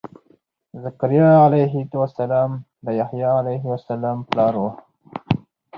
ذکریا علیه السلام د یحیا علیه السلام پلار و.